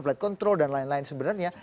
flight control dan lain lain sebenarnya